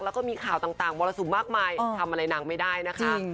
แล้วก็มีข่าวต่างมรสุมมากมายทำอะไรนางไม่ได้นะคะ